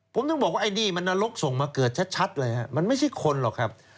ผมถึงบอกว่าไอ้นี่มันนรกส่งมาเกิดชัดเลยฮะมันไม่ใช่คนหรอกครับ